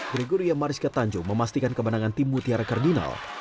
gregoria mariska tanjung memastikan kemenangan tim mutiara kardinal